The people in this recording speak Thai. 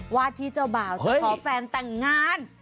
ว่าที่เจ้าบ่าวจะมีแฟนแต่งงาน